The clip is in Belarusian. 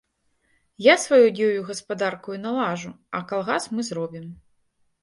Я сваёю гаспадаркаю налажу, а калгас мы зробім.